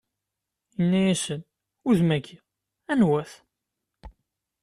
Inna-asen: Udem-agi? anwa-t?